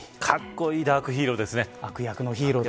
かっこいいダークヒーローですね。